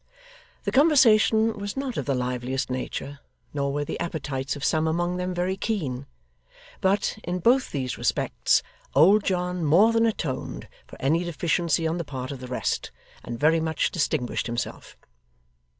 The conversation was not of the liveliest nature, nor were the appetites of some among them very keen. But, in both these respects, old John more than atoned for any deficiency on the part of the rest, and very much distinguished himself.